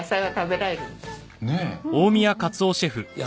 ねえ。